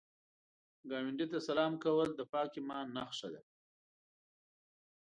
ګاونډي ته سلام کول د پاک ایمان نښه ده